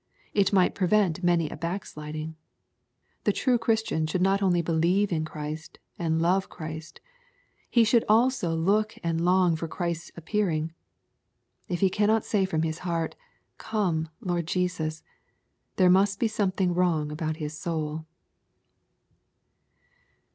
It might prevent many a backsliding. The true Christian should not only believe in Christ, and love Christ. He should also look and long for Christ's appear ing. If he cannot say from his heart, " Come, Lord Jesus," there must be something wrong about his soul.